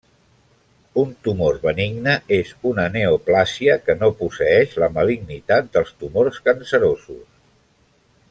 Un tumor benigne és una neoplàsia que no posseeix la malignitat dels tumors cancerosos.